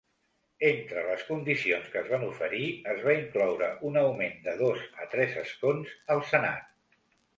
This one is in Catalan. Entre les condicions que es van oferir, es va incloure un augment de dos a tres escons al Senat.